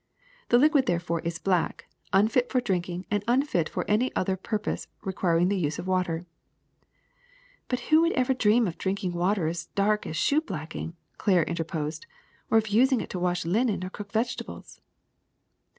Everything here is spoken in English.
The liquid therefore is black, unfit for drinking and unfit for any other purpose requiring the use of water. '^*' But who would ever dream of drinking water as dark as shoe blacking," Claire interposed, ^*or of using it to wash linen or cook vegetables?''